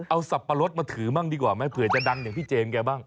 เอาสับปะรดมาถือบ้างดีกว่าไหมเผื่อจะดังอย่างพี่เจนแกบ้าง